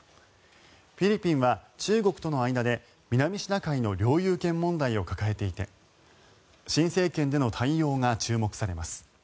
フィリピンは中国との間で南シナ海の領有権問題を抱えていて新政権での対応が注目されます。